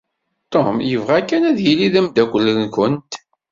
Tom yebɣa kan ad yili d ameddakkel-nkent.